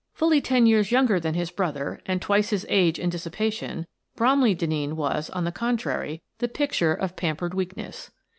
Fully ten years younger than his brother, and twice his age in dissipation, Bromley Denneen was, on the contrary, the picture of pampered weakness.